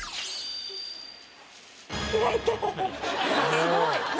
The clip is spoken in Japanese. すごい！何？